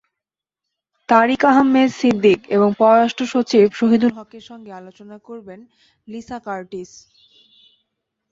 তারিক আহমেদ সিদ্দিক এবং পররাষ্ট্রসচিব শহীদুল হকের সঙ্গে আলোচনা করবেন লিসা কার্টিস।